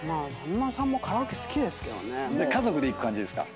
家族で行く感じですか？